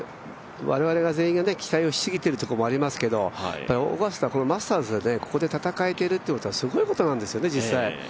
我々全員が期待をしすぎているところもありますけどオーガスタ、マスターズで戦えているということはすごいことなんですよね、実際。